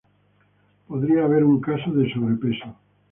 Podría haber un caso de sobrepeso.